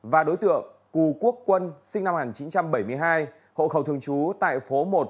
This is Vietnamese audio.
và đối tượng cù quốc quân sinh năm một nghìn chín trăm bảy mươi hai hộ khẩu thường trú tại phố một